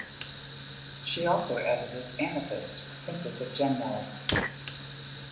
She also edited "Amethyst, Princess of Gemworld".